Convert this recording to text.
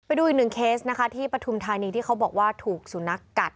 ไปดูอีกหนึ่งเคสนะคะที่ปฐุมธานีที่เขาบอกว่าถูกสุนัขกัด